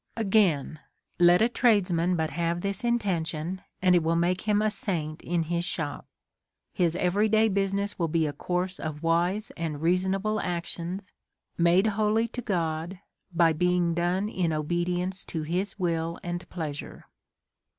^ Again^ let a tradesman but have this intention^ and it will make him a saint in his shop ; his every day busi ness will be a course of wise and reasonable actions, made holy to God, by being done in obedience to his will and pleasure.